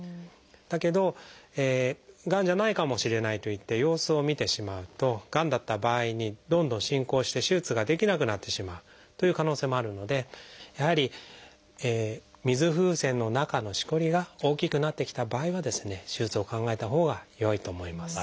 だけどがんじゃないかもしれないといって様子を見てしまうとがんだった場合にどんどん進行して手術ができなくなってしまうという可能性もあるのでやはり水風船の中のしこりが大きくなってきた場合はですね手術を考えたほうがよいと思います。